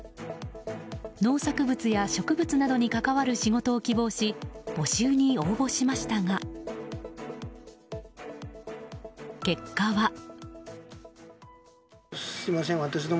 農作物や植物などに関わる仕事を希望し募集に応募しましたが結果は。